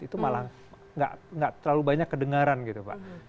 itu malah gak terlalu banyak kedengaran gitu pak